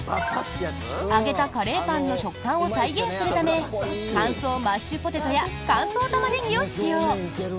揚げたカレーパンの食感を再現するため乾燥マッシュポテトや乾燥タマネギを使用。